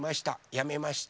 やめました。